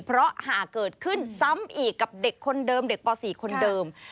เพราะหากเกิดขึ้นซ้ำอีกกับเด็กคนเดิมเด็กป๔คนเดิม